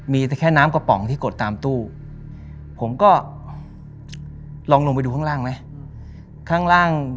มีแค่น้ำกระป๋องที่กดตามตู้ผมก็ลองลงไปดูข้างล่างไหม